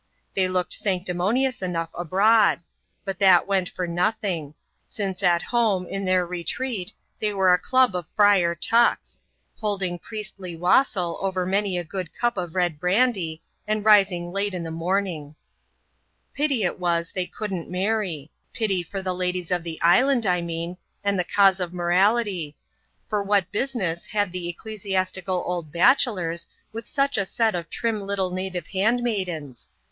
They looked sanctimonious enough abroad ; but that went for nothing : since at home, in their re^ treat, they were a club of Friar Tucks ; holding priestly wassail over many a good cup of red brandy, and rising late in the morning. 144 ADVENTURES IN THE SOUTH SEAS. [chap, xxxm Pity it was they couldn't marry — pity for the ladies of the island, I mean, and the cause of morality ; for what business had the ecclesiastical old bachelors, with such a set of trim little native handmaidens?